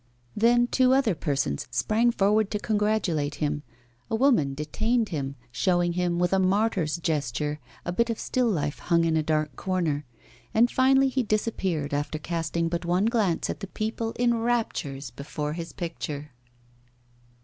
Then two other persons sprang forward to congratulate him; a woman detained him, showing him, with a martyr's gesture, a bit of still life hung in a dark corner. And finally he disappeared, after casting but one glance at the people in raptures before his picture.